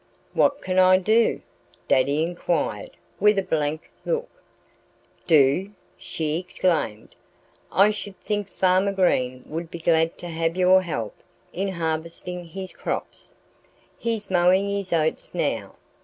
"What can I do?" Daddy inquired with a blank look. "Do!" she exclaimed. "I should think Farmer Green would be glad to have your help in harvesting his crops. He's mowing his oats now.